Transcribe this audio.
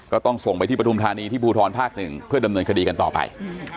ก็ต้องส่งไปที่ปฐุมธานีที่ภูทรภาค๑เพื่อดำเนินคดีกันต่อไป